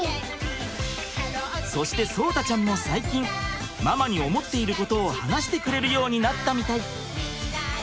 そして聡太ちゃんも最近ママに思っていることを話してくれるようになったみたい。